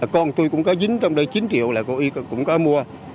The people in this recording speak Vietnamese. con tôi cũng có dính trong đây chín triệu là cô y cũng có mua